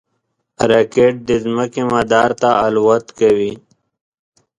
راکټ د ځمکې مدار ته الوت کوي